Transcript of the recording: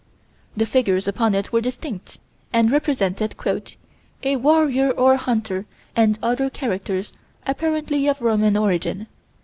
The figures upon it were distinct, and represented "a warrior or hunter and other characters, apparently of Roman origin."